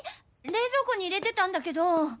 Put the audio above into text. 冷蔵庫に入れてたんだけど。